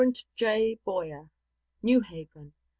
J. BOYER. NEW HAVEN.